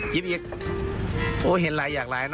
ยิบโอ้เห็นหลายอยากหลายเนอะ